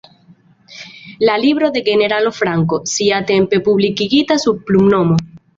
La libro de generalo Franco, siatempe publikigita sub plumnomo.